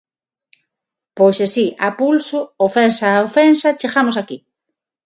Pois así, a pulso, ofensa a ofensa chegamos aquí.